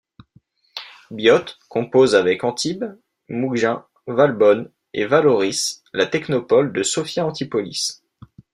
Biot compose, avec Antibes, Mougins, Valbonne et Vallauris la technopole de Sophia-Antipolis.